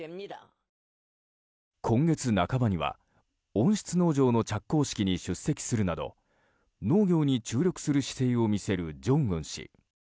今月半ばには温室農場の着工式に出席するなど農業に注力する姿勢を見せる正恩氏。